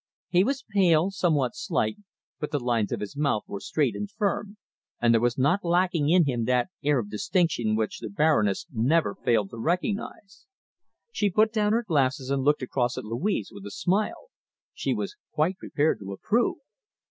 He was pale, somewhat slight, but the lines of his mouth were straight and firm, and there was not lacking in him that air of distinction which the Baroness never failed to recognize. She put down her glasses and looked across at Louise with a smile. She was quite prepared to approve.